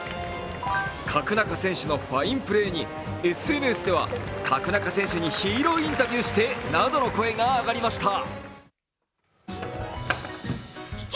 角中選手のファインプレーにＳＮＳでは角中選手にヒーローインタビューしてなどの声が上がりました。